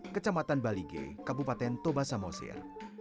kecamatan balige kabupaten toba samosir